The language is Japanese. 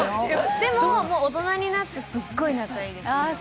でも大人になってすごい仲がいいです。